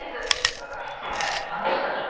だからそれ話したじゃん。